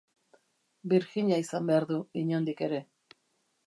Birjina izan behar du, inondik ere.